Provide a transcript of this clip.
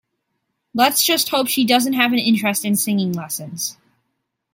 Let's just hope she doesn't have an interest in singing lessons.